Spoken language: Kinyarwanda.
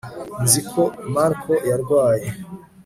Nzi ko Marco yarwaye